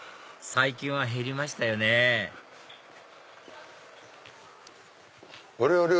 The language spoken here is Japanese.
最近は減りましたよねあれ？